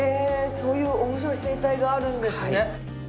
そういう面白い生態があるんですね。